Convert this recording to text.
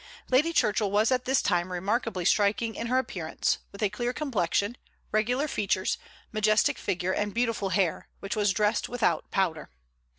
Lady Churchill was at this time remarkably striking in her appearance, with a clear complexion, regular features, majestic figure, and beautiful hair, which was dressed without powder.